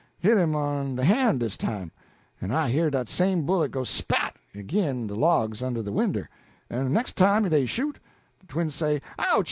hit him on de han' dis time, en I hear dat same bullet go spat! ag'in, de logs under de winder; en de nex' time dey shoot, de twin say, 'Ouch!'